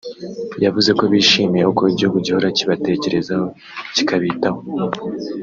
yavuze ko bishimiye uko igihugu gihora kibatekereza kikabitaho